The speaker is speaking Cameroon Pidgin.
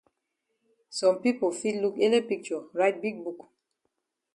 Some pipo fit look ele picture write big book.